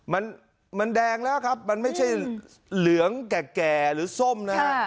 มันมันแดงแล้วครับมันไม่ใช่เหลืองแก่หรือส้มนะฮะ